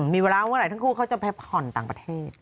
มีเวลาว่าไหรทั้งคู่เขาจะไปผ่อนต่างประเทศ